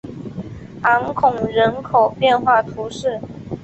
昂孔人口变化图示